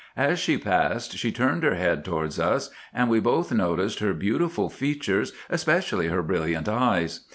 As she passed she turned her head towards us, and we both noticed her beautiful features, especially her brilliant eyes.